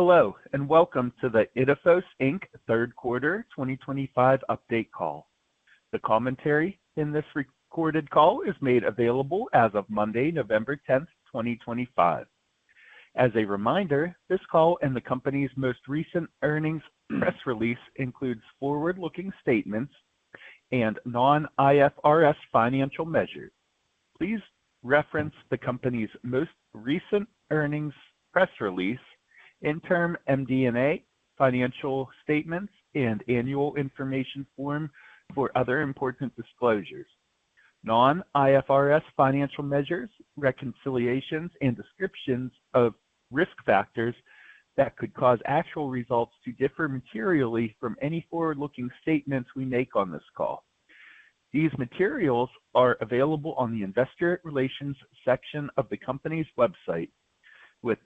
Hello, and welcome to the Itafos Q3 2025 update call. The commentary in this recorded call is made available as of Monday, November 10, 2025. As a reminder, this call and the company's most recent earnings press release includes forward-looking statements and non-IFRS financial measures. Please reference the company's most recent earnings press release, interim MD&A financial statements, and annual information form for other important disclosures. Non-IFRS financial measures, reconciliations, and descriptions of risk factors that could cause actual results to differ materially from any forward-looking statements we make on this call. These materials are available on the investor relations section of the company's website. With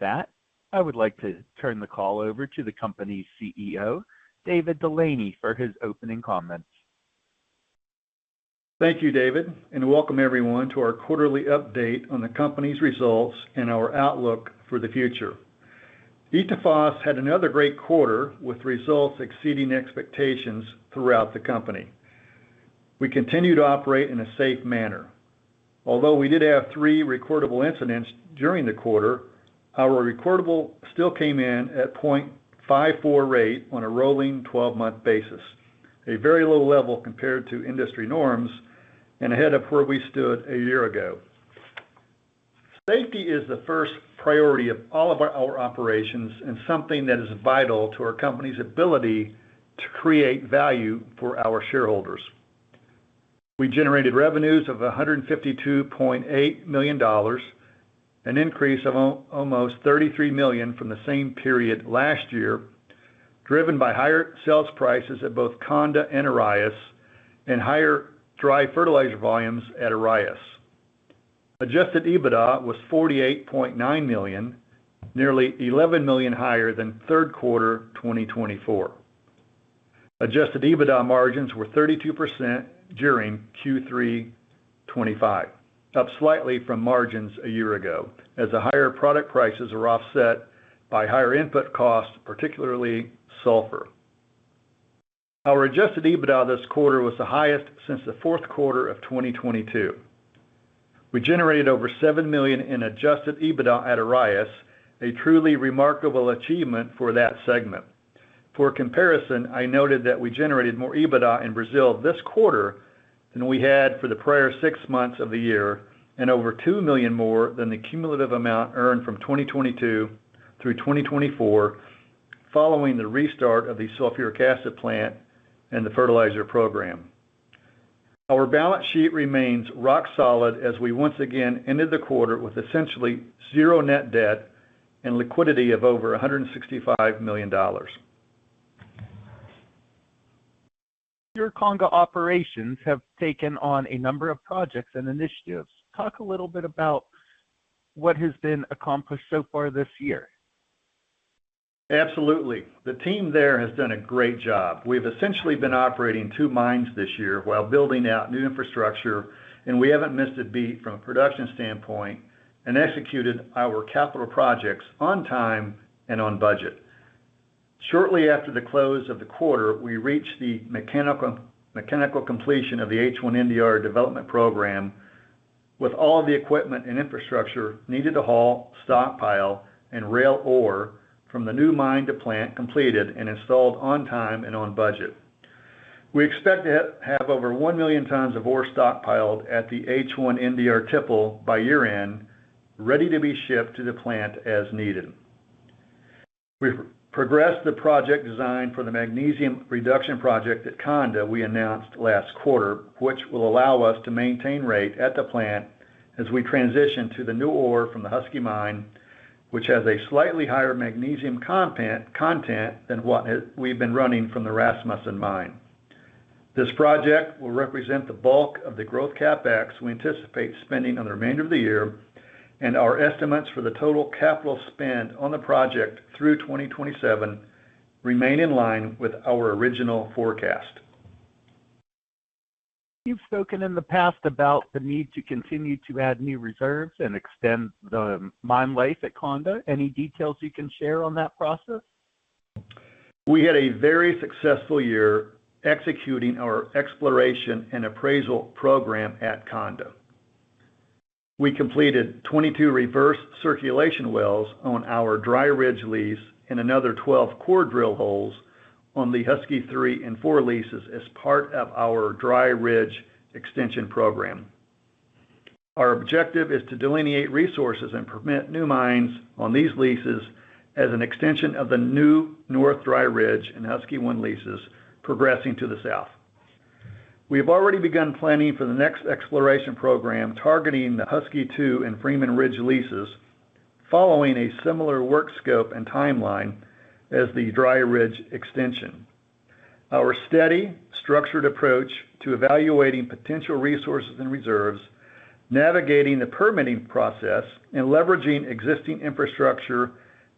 that, I would like to turn the call over to the company's CEO, David Delaney, for his opening comments. Thank you, David, and welcome everyone to our quarterly update on the company's results and our outlook for the future. Itafos had another great quarter with results exceeding expectations throughout the company. We continue to operate in a safe manner. Although we did have three recordable incidents during the quarter, our recordable still came in at 0.548 on a rolling 12-month basis, a very low level compared to industry norms and ahead of where we stood a year ago. Safety is the first priority of all of our operations and something that is vital to our company's ability to create value for our shareholders. We generated revenues of $152.8 million, an increase of almost $33 million from the same period last year, driven by higher sales prices at both Conda and Arraias, and higher dry fertilizer volumes at Arraias. Adjusted EBITDA was $48.9 million, nearly $11 million higher than Q3 2024. Adjusted EBITDA margins were 32% during Q3 2025, up slightly from margins a year ago, as the higher product prices were offset by higher input costs, particularly sulfur. Our adjusted EBITDA this quarter was the highest since Q4 of 2022. We generated over $7 million in adjusted EBITDA at Arraias, a truly remarkable achievement for that segment. For comparison, I noted that we generated more EBITDA in Brazil this quarter than we had for the prior six months of the year, and over $2 million more than the cumulative amount earned from 2022 through 2024 following the restart of the sulfuric acid plant and the fertilizer program. Our balance sheet remains rock solid as we once again ended the quarter with essentially zero net debt and liquidity of over $165 million. Your Conda operations have taken on a number of projects and initiatives. Talk a little bit about what has been accomplished so far this year. Absolutely. The team there has done a great job. We've essentially been operating two mines this year while building out new infrastructure, and we haven't missed a beat from a production standpoint and executed our capital projects on time and on budget. Shortly after the close of the quarter, we reached the mechanical completion of the H1-NDR development program with all of the equipment and infrastructure needed to haul, stockpile, and rail ore from the new mine to plant, completed and installed on time and on budget. We expect to have over 1 million tons of ore stockpiled at the H1-NDR tipple by year-end, ready to be shipped to the plant as needed. We've progressed the project design for the magnesium reduction project at Conda we announced last quarter, which will allow us to maintain rate at the plant as we transition to the new ore from the Husky mine, which has a slightly higher magnesium content than what we've been running from the Rasmussen mine. This project will represent the bulk of the growth CapEx we anticipate spending on the remainder of the year, and our estimates for the total capital spent on the project through 2027 remain in line with our original forecast. You've spoken in the past about the need to continue to add new reserves and extend the mine life at Conda. Any details you can share on that process? We had a very successful year executing our exploration and appraisal program at Conda. We completed 22 reverse circulation wells on our Dry Ridge lease and another 12 core drill holes on the Husky three and four leases as part of our Dry Ridge extension program. Our objective is to delineate resources and permit new mines on these leases as an extension of the new North Dry Ridge and Husky one leases progressing to the south. We've already begun planning for the next exploration program targeting the Husky two and Freeman Ridge leases, following a similar work scope and timeline as the Dry Ridge extension. Our steady, structured approach to evaluating potential resources and reserves, navigating the permitting process, and leveraging existing infrastructure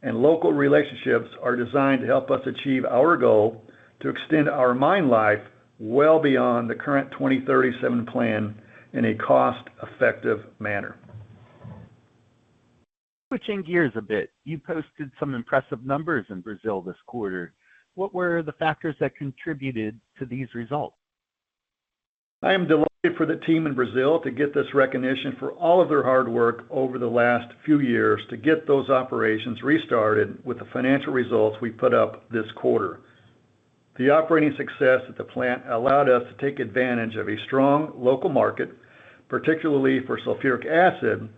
and local relationships are designed to help us achieve our goal to extend our mine life well beyond the current 2037 plan in a cost-effective manner. Switching gears a bit, you posted some impressive numbers in Brazil this quarter. What were the factors that contributed to these results? I am delighted for the team in Brazil to get this recognition for all of their hard work over the last few years to get those operations restarted with the financial results we put up this quarter. The operating success at the plant allowed us to take advantage of a strong local market, particularly for sulfuric acid,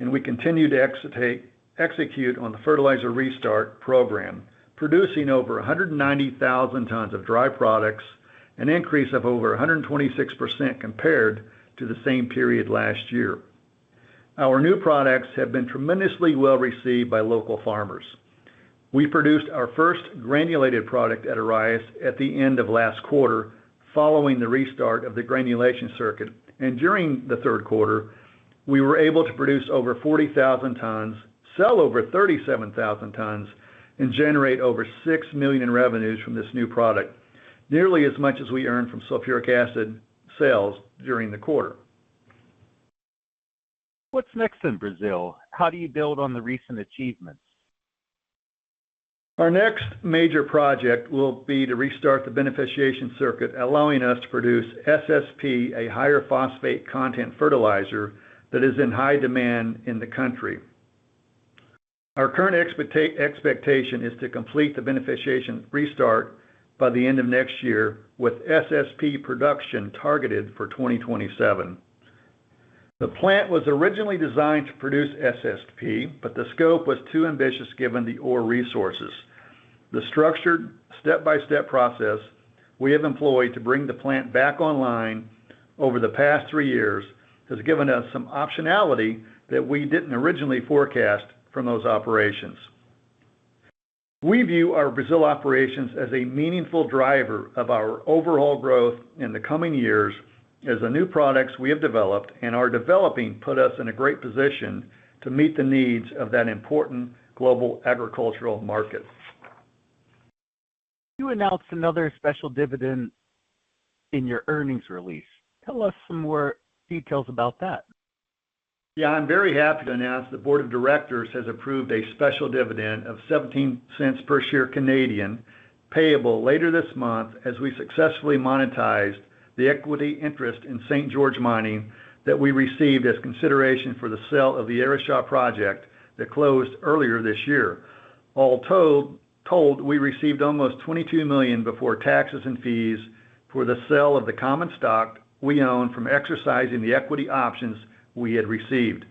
and we continue to execute on the fertilizer restart program, producing over 190,000 tons of dry products, an increase of over 126% compared to the same period last year. Our new products have been tremendously well received by local farmers. We produced our first granulated product at Arraias at the end of last quarter, following the restart of the granulation circuit. During Q3, we were able to produce over 40,000 tons, sell over 37,000 tons, and generate over $6 million in revenues from this new product, nearly as much as we earned from sulfuric acid sales during the quarter. What's next in Brazil? How do you build on the recent achievements? Our next major project will be to restart the beneficiation circuit, allowing us to produce SSP, a higher phosphate content fertilizer, that is in high demand in the country. Our current expectation is to complete the beneficiation restart by the end of next year, with SSP production targeted for 2027. The plant was originally designed to produce SSP, but the scope was too ambitious given the ore resources. The structured, step-by-step process we have employed to bring the plant back online over the past three years has given us some optionality that we did not originally forecast from those operations. We view our Brazil operations as a meaningful driver of our overall growth in the coming years as the new products we have developed and are developing put us in a great position to meet the needs of that important global agricultural market. You announced another special dividend in your earnings release. Tell us some more details about that. Yeah, I'm very happy to announce the board of directors has approved a special dividend of 0.17 per share, payable later this month as we successfully monetized the equity interest in St. George Mining that we received as consideration for the sale of the Arraias project that closed earlier this year. All told, we received almost $22 million before taxes and fees for the sale of the common stock we owned from exercising the equity options we had received.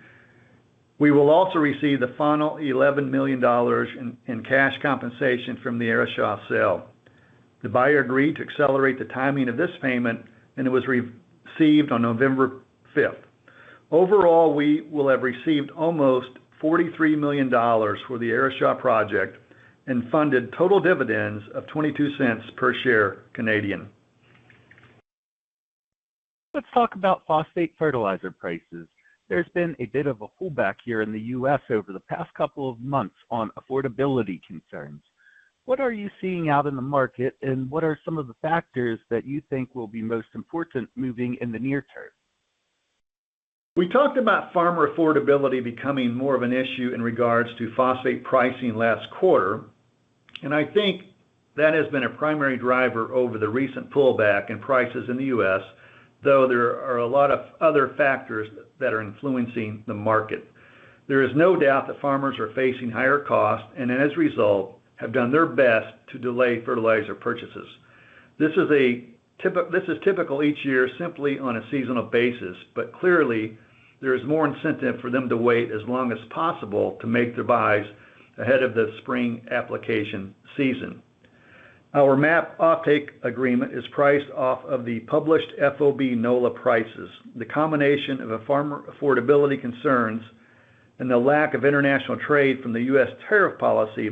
We will also receive the final $11 million in cash compensation from the Arraias sale. The buyer agreed to accelerate the timing of this payment, and it was received on November 5th. Overall, we will have received almost $43 million for the Arraias project and funded total dividends of 0.22 per share. Let's talk about phosphate fertilizer prices. There's been a bit of a pullback here in the U.S. over the past couple of months on affordability concerns. What are you seeing out in the market, and what are some of the factors that you think will be most important moving in the near term? We talked about farmer affordability becoming more of an issue in regards to phosphate pricing last quarter, and I think that has been a primary driver over the recent pullback in prices in the U.S., though there are a lot of other factors that are influencing the market. There is no doubt that farmers are facing higher costs and, as a result, have done their best to delay fertilizer purchases. This is typical each year simply on a seasonal basis, but clearly, there is more incentive for them to wait as long as possible to make their buys ahead of the spring application season. Our MAP offtake agreement is priced off of the published FOB NOLA prices. The combination of farmer affordability concerns and the lack of international trade from the U.S. tariff policy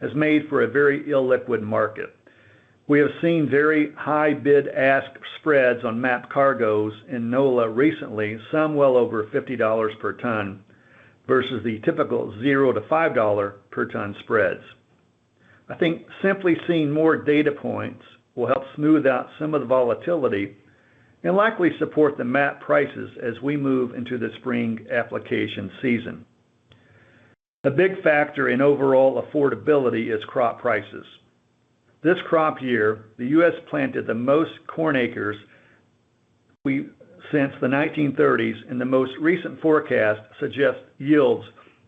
has made for a very illiquid market. We have seen very high bid-ask spreads on MAP cargoes in NOLA recently, some well over $50 per ton versus the typical $0-$5 per ton spreads. I think simply seeing more data points will help smooth out some of the volatility and likely support the MAP prices as we move into the spring application season. A big factor in overall affordability is crop prices. This crop year, the U.S. planted the most corn acres since the 1930s, and the most recent forecast suggests yields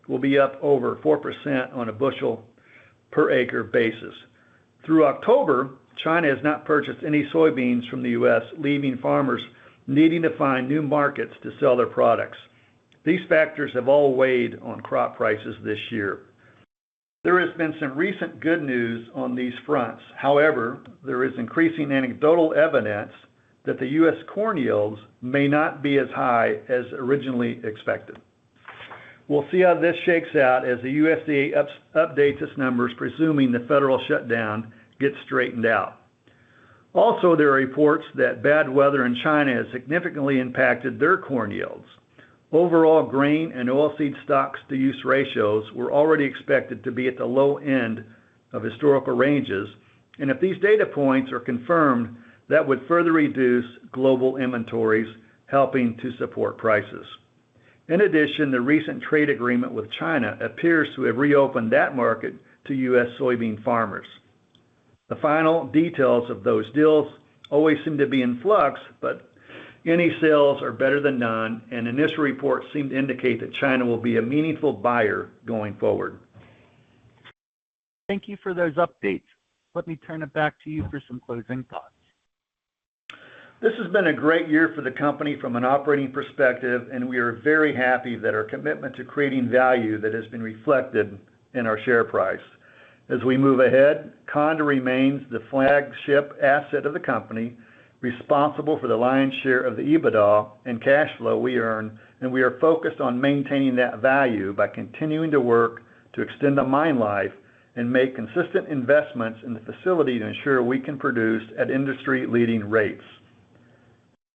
will be up over 4% on a bushel per acre basis. Through October, China has not purchased any soybeans from the U.S., leaving farmers needing to find new markets to sell their products. These factors have all weighed on crop prices this year. There has been some recent good news on these fronts. However, there is increasing anecdotal evidence that the U.S. Corn yields may not be as high as originally expected. We'll see how this shakes out as the USDA updates its numbers, presuming the federal shutdown gets straightened out. Also, there are reports that bad weather in China has significantly impacted their corn yields. Overall grain and oilseed stocks-to-use ratios were already expected to be at the low end of historical ranges, and if these data points are confirmed, that would further reduce global inventories, helping to support prices. In addition, the recent trade agreement with China appears to have reopened that market to U.S. soybean farmers. The final details of those deals always seem to be in flux, but any sales are better than none, and initial reports seem to indicate that China will be a meaningful buyer going forward. Thank you for those updates. Let me turn it back to you for some closing thoughts. This has been a great year for the company from an operating perspective, and we are very happy that our commitment to creating value has been reflected in our share price. As we move ahead, Conda remains the flagship asset of the company, responsible for the lion's share of the EBITDA and cash flow we earn, and we are focused on maintaining that value by continuing to work to extend the mine life and make consistent investments in the facility to ensure we can produce at industry-leading rates.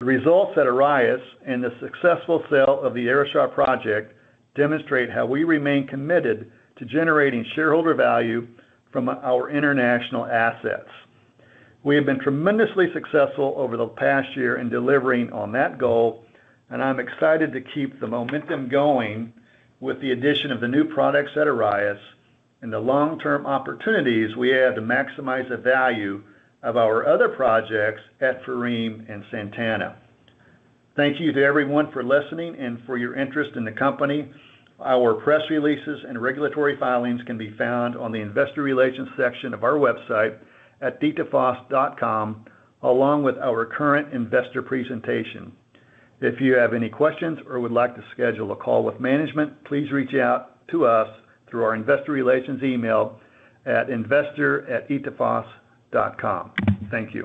The results at Arraias and the successful sale of the Arashaw project demonstrate how we remain committed to generating shareholder value from our international assets. We have been tremendously successful over the past year in delivering on that goal, and I'm excited to keep the momentum going with the addition of the new products at Arraias and the long-term opportunities we have to maximize the value of our other projects at Freeman and Santana. Thank you to everyone for listening and for your interest in the company. Our press releases and regulatory filings can be found on the investor relations section of our website at itafos.com, along with our current investor presentation. If you have any questions or would like to schedule a call with management, please reach out to us through our investor relations email at investor@itafos.com. Thank you.